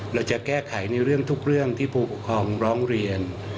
เราจะแก้ไขในเรื่องทุกเรื่องที่ผู้ปกครองร้องเรียน